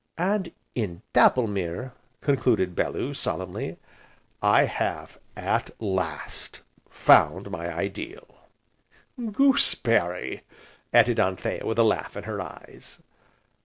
"And, in Dapplemere," concluded Bellew, solemnly, "I have, at last, found my ideal " "Goose berry!" added Anthea with a laugh in her eyes.